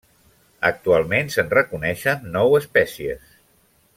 Actualment se'n reconeixen nou espècies.